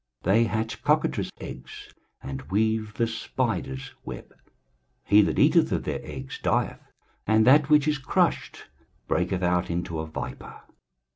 23:059:005 They hatch cockatrice' eggs, and weave the spider's web: he that eateth of their eggs dieth, and that which is crushed breaketh out into a viper.